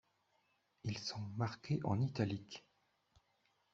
Ils sont marqués en italique.